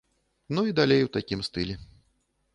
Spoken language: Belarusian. Ну і далей у такім стылі.